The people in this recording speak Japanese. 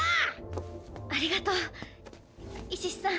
ありがとうイシシさん